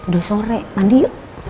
dua sore mandi yuk